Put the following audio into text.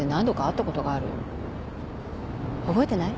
覚えてない？